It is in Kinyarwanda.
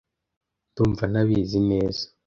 Ndumva ntabizi neza .